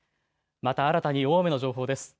また新たに大雨の情報です。